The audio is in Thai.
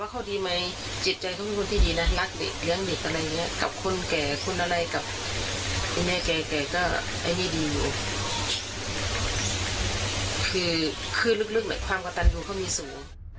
คือเรื่องหน่อยความกระตันดูเขามีสูง